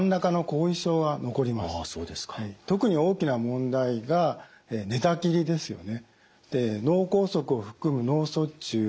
特に大きな問題が寝たきりですよね。